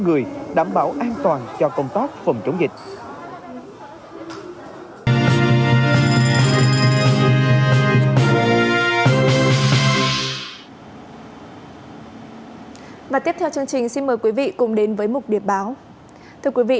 người đảm bảo an toàn cho công tác phòng chống dịch